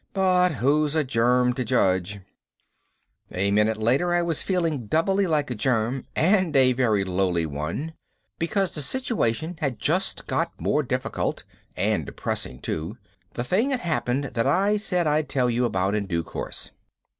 But who's a germ to judge? A minute later I was feeling doubly like a germ and a very lowly one, because the situation had just got more difficult and depressing too the thing had happened that I said I'd tell you about in due course.